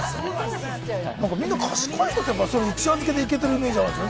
みんな賢い人って一夜漬けでいけてるイメージあります。